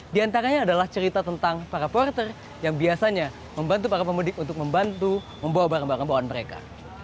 di antaranya adalah cerita tentang para porter yang biasanya membantu para pemudik untuk membantu membawa barang barang bawaan mereka